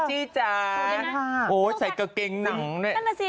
สวัสดีครับคุณอังจี้